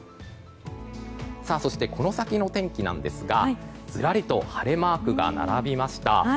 そしてこの先の天気なんですがずらりと晴れマークが並びました。